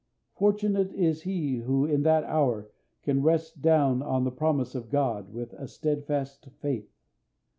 Fortunate is he who in that hour can rest down on the promise of God with a steadfast faith.